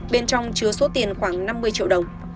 bên trong chứa số tiền khoảng năm mươi triệu đồng